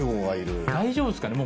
大丈夫ですかね？